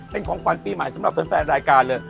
เป็นของกำลังปีใหม่สำหรับเสิร์ฟแหล่งรายการเลย